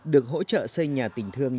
được hỗ trợ xây nhà tình thương